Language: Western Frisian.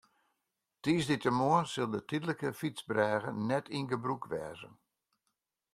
Tiisdeitemoarn sil de tydlike fytsbrêge net yn gebrûk wêze.